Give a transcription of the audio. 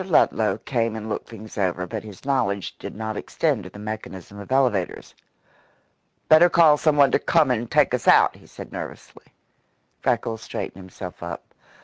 Ludlow came and looked things over, but his knowledge did not extend to the mechanism of elevators. "Better call someone to come and take us out," he said nervously. Freckles straightened himself up.